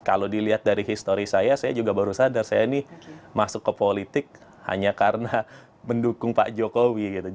kalau dilihat dari histori saya saya juga baru sadar saya ini masuk ke politik hanya karena mendukung pak jokowi gitu